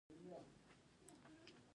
ایا ستاسو برخه به پوره نه وي؟